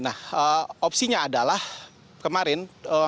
nah opsinya adalah kemarin